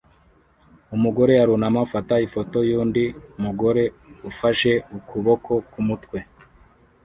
Umugore arunama afata ifoto yundi mugore ufashe ukuboko kumutwe